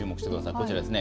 こちらですね。